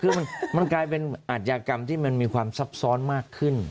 คือมันกลายเป็นอาชญากรรมที่มันมีความซับซ้อนมากขึ้น